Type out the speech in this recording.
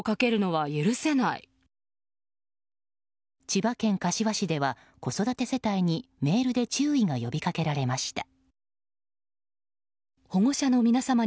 千葉県柏市では子育て世帯にメールで注意が呼び掛けられました。